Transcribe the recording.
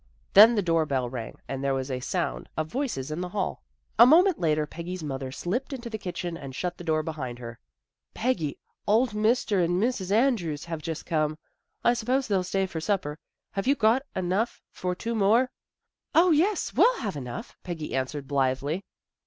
Then the door bell rang and there was a sound of voices in the hall. A moment later Peggy's mother slipped into the kitchen and shut the door behind her. " Peggy, old Mr. and Mrs. Andrews have just come. I suppose they 11 stay for supper. Have you got enough for two more? "" 0, yes. We'll have enough," Peggy an swered blithely.